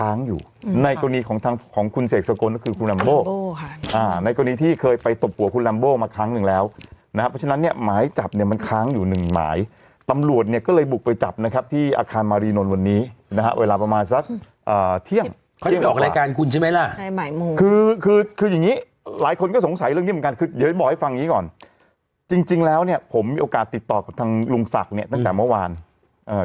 อังตรวนอีกนั้นอังตรวนอีกนั้นอังตรวนอีกนั้นอังตรวนอีกนั้นอังตรวนอีกนั้นอังตรวนอีกนั้นอังตรวนอีกนั้นอังตรวนอีกนั้นอังตรวนอีกนั้นอังตรวนอีกนั้นอังตรวนอีกนั้นอังตรวนอีกนั้นอังตรวนอีกนั้นอังตรวนอีกนั้นอังตรวนอีก